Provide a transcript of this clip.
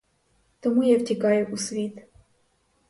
Тому я втікаю у світ.